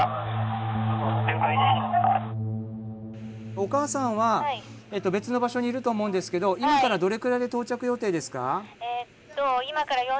お母さんは別の場所にいると思うんですけど今からどれくらいで到着予定ですか？